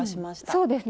そうですね。